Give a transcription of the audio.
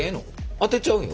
当てちゃうよ